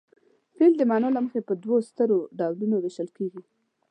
فعل د معنا له مخې په دوو سترو ډولونو ویشل کیږي.